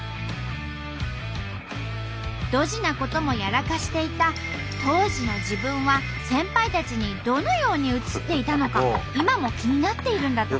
ドジなこともやらかしていた当時の自分は先輩たちにどのように映っていたのか今も気になっているんだとか。